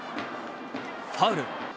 ファウル。